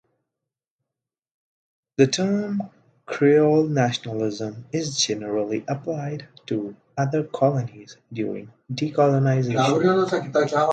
The term "Creole nationalism" is generally applied to other colonies during decolonization.